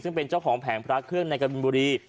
ซึ่งเป็นเจ้าของแผงพระเครื่องในกะบินบุรี